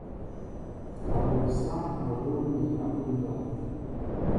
Awem sááŋ a lóm mi abunda.